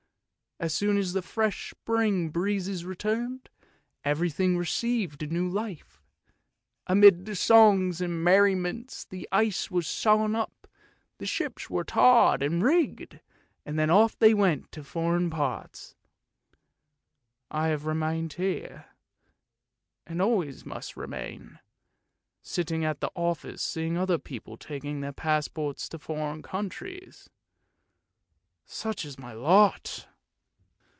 As soon as the fresh spring breezes returned, every thing received new life. Amid songs and merriment the ice was sawn up, the ships were tarred and rigged, and then off they went to foreign parts. I have remained here, and always must remain, sitting at the office seeing other people taking their passports for foreign countries. Such is my lot!